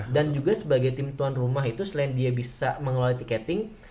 dan juga sebagai tim tuan rumah itu selain dia bisa mengelola tiketing